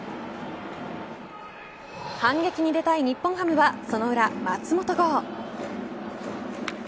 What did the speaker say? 反撃に出たい日本ハムはその裏松本剛。